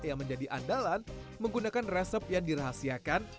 yang menjadi andalan menggunakan resep yang dirahasiakan